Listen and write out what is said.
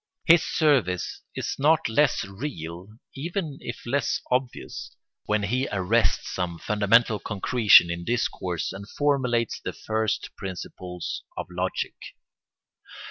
His service is not less real, even if less obvious, when he arrests some fundamental concretion in discourse, and formulates the first principles of logic.